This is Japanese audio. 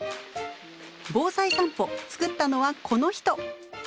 「防災さんぽ」作ったのはこの人。